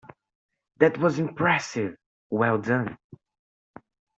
That was impressive, well done!.